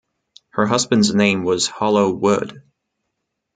Her husband's name was Hollow Wood.